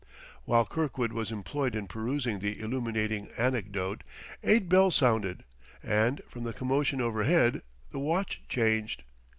While Kirkwood was employed in perusing this illuminating anecdote, eight bells sounded, and, from the commotion overhead, the watch changed.